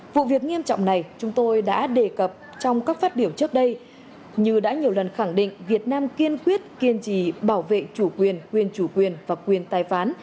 vụ việc nghiêm trọng này chúng tôi đã đề cập trong các phát biểu trước đây như đã nhiều lần khẳng định việt nam kiên quyết kiên trì bảo vệ chủ quyền quyền chủ quyền và quyền tài phán